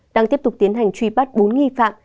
đang tiếp tục tiến hành truy bắt bốn nghi phạm